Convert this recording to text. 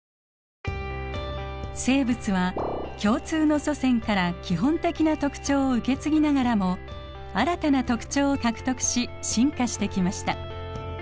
生物は共通の祖先から基本的な特徴を受け継ぎながらも新たな特徴を獲得し進化してきました。